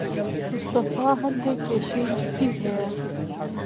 مستەفا هەندێک کێشەی جددی هەیە.